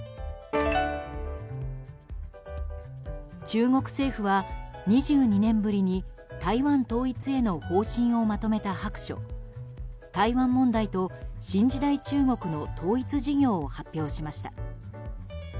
中国政府は２２年ぶりに台湾統一への方針をまとめた白書「台湾問題と新時代中国の統一事業」を発表しました。